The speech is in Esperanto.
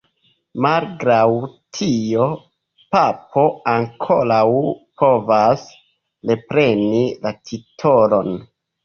Malgraŭ tio, Papo ankoraŭ povas repreni la titolon.